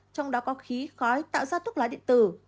trong đó có khí khói tạo ra thuốc lá điện tử